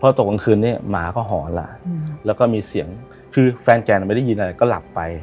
ตกกลางคืนนี้หมาก็หอหลานแล้วก็มีเสียงคือแฟนแกน่ะไม่ได้ยินอะไรก็หลับไป